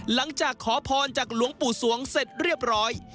หลังจากขอพรจากหลวงปู่สวงเสร็จเรียบร้อย